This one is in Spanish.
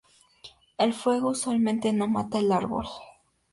El fuego usualmente no mata al árbol.